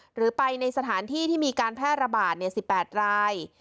หรือไปในสถานที่ที่มีการแพร่ระบาด๑๘ราย